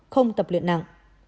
không tập luyện nặng